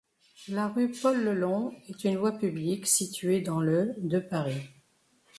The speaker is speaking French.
La rue Paul-Lelong est une voie publique située dans le de Paris.